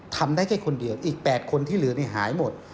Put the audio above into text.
ทำได้แค่คนเดียวอีก๘คนที่เหลือนี่หายหมด